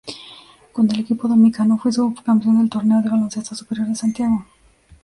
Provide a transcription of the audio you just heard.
Con el equipo dominicano fue subcampeón del Torneo de Baloncesto Superior de Santiago.